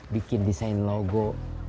bikin desain logo